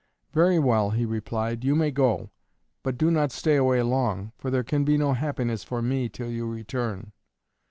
"Very well," he replied, "you may go. But do not stay away long; for there can be no happiness for me till you return."